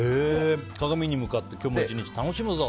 鏡に向かって今日も１日楽しむぞ。